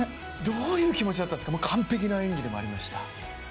どういう気持ちだったんですか、完璧な演技でもありました。